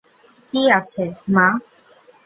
কী আছে, মা?